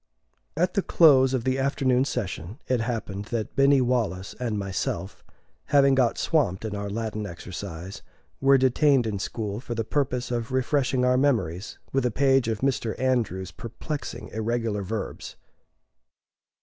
At the close of the afternoon session it happened that Binny Wallace and myself, having got swamped in our Latin exercise, were detained in school for the purpose of refreshing our memories with a page of Mr. Andrews's perplexing irregular verbs.